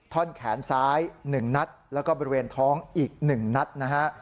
ท่อนแขนซ้าย๑นัดแล้วก็บริเวณท้องอีก๑นัดนะฮะ